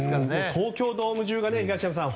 東京ドーム中が、東山さん